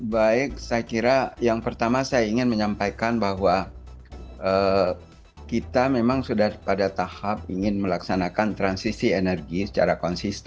baik saya kira yang pertama saya ingin menyampaikan bahwa kita memang sudah pada tahap ingin melaksanakan transisi energi secara konsisten